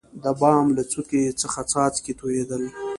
دبام له څوکي څخه څاڅکي تویدل.